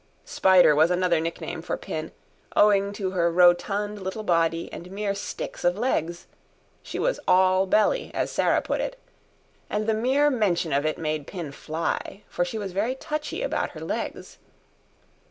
"Spider" was another nickname for Pin, owed to her rotund little body and mere sticks of legs she was "all belly" as Sarah put it and the mere mention of it made Pin fly; for she was very touchy about her legs.